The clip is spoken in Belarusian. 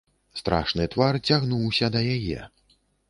Страшны твар цягнуўся да яе.